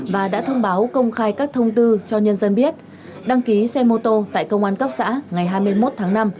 và đã thông báo công khai các thông tư cho nhân dân biết đăng ký xe mô tô tại công an cấp xã ngày hai mươi một tháng năm